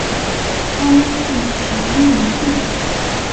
光绪十一年进士。